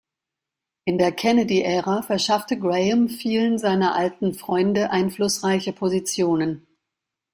In der Kennedy-Ära verschaffte Graham vielen seiner alten Freunde einflussreiche Positionen.